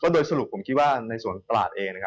โดยสรุปผมคิดว่าในส่วนตลาดเอง